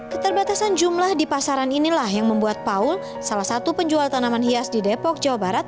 keterbatasan jumlah di pasaran inilah yang membuat paul salah satu penjual tanaman hias di depok jawa barat